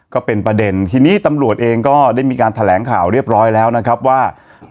ก็เป็นประเด็นทีนี้ตำรวจเองก็ได้มีการแถลงข่าวเรียบร้อยแล้วนะครับว่า